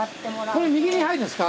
これ右に入るんですか？